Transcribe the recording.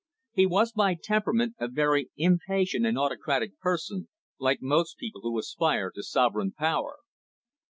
He was, by temperament, a very impatient and autocratic person, like most people who aspire to sovereign power.